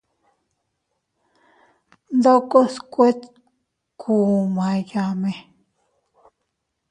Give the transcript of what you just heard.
Ndokos kuetkumayame.